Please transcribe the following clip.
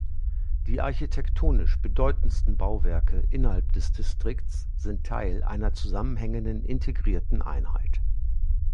Die architektonisch bedeutendsten Bauwerke innerhalb des Distrikts sind Teil einer zusammenhängenden, integrierten Einheit.